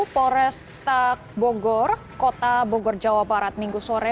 polres tak bogor kota bogor jawa barat minggu sore